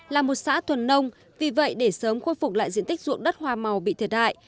là một xã thuần nông vì vậy để sớm khôi phục lại diện tích ruộng đất hoa màu bị thiệt hại